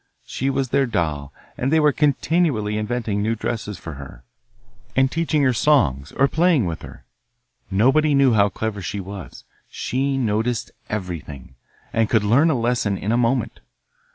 She was their doll, and they were continually inventing new dresses for her, and teaching her songs or playing with her. Nobody knew how clever she was! She noticed everything, and could learn a lesson in a moment.